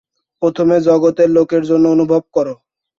প্রথমে জগতের লোকের জন্য অনুভব কর।